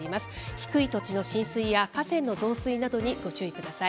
低い土地の浸水や、河川の増水などにご注意ください。